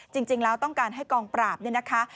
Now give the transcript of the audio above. จริงแล้วต้องการให้กองปราบเนี่ยนะคะ